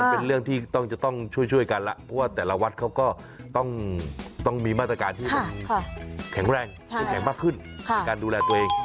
เป็นเรื่องที่จะต้องช่วยกันแล้วเพราะว่าแต่ละวัดเขาก็ต้องมีมาตรการที่มันแข็งแรงเข้มแข็งมากขึ้นในการดูแลตัวเอง